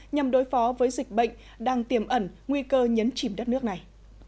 nhằm đối phó với dịch bệnh đang tiềm ẩn nguy cơ nhấn chìm đất nước này